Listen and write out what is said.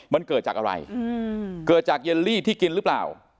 มันเกิดจากอะไรเกิดจากเยลลี่ที่กินหรือเปล่า